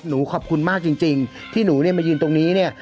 ขอบคุณมากจริงที่หนูเนี่ยมายืนตรงนี้เนี่ย